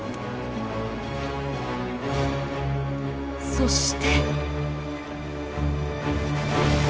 そして。